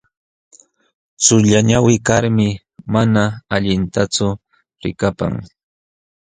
Chullañawi kalmi mana allintachu likapan.